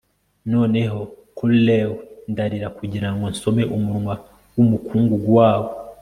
noneho curlew ndarira kugirango nsome umunwa wumukungugu wabo